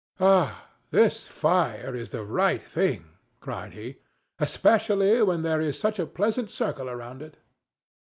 "Ah! this fire is the right thing," cried he, "especially when there is such a pleasant circle round it.